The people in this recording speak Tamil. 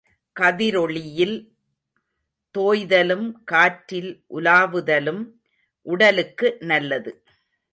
கதிரொளியில் தோய்தலும், காற்றில் உலாவுதலும் உடலுக்கு நல்லது.